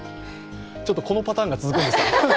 このパターンが続くんですか？